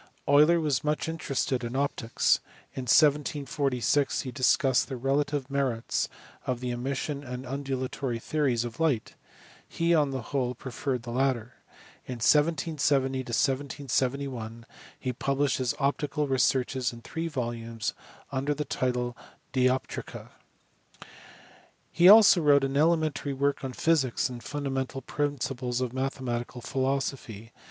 Euler was much interested in optics. In 1746 he discussed the relative merits of the emission and undulatory theories of light; he on the whole preferred the latter. In 1770 71 he published his optical researches in three volumes under the title Dioptrica. He also wrote an elementary work on physics and the fundamental principles of mathematical philosophy.